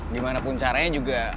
dimanapun caranya juga